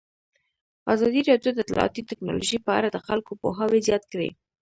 ازادي راډیو د اطلاعاتی تکنالوژي په اړه د خلکو پوهاوی زیات کړی.